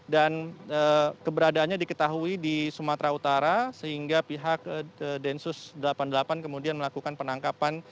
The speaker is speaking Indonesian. dan keberadaannya diketahui di sumatera utara sehingga pihak densus delapan puluh delapan kemudian melakukan penangkapan